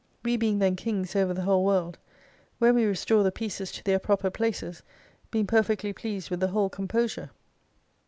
We being then Kings over the whole world, when we restore the pieces to their proper places, being perfectly pleased with the whole compo sure.